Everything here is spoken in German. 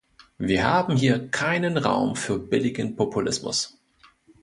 Wir haben hier keinen Raum für billigen Populismus.